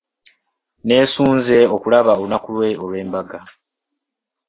Nneesunze okulaba olunaku lwe olw'embaga.